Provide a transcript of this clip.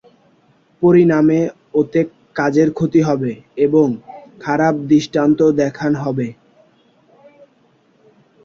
পরিণামে ওতে কাজের ক্ষতি হবে এবং খারাপ দৃষ্টান্ত দেখান হবে।